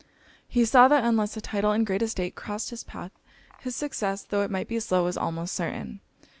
He saw, that unless a title and great estate crossed his path, his success, tho' it might be slow, was almost certain.